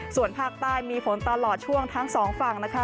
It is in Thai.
ส่วนภาคใต้มีฝนตลอดช่วงทั้งสองฝั่งนะคะ